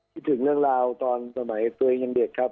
คิดถึงเรื่องราวตอนสมัยตัวเองยังเด็กครับ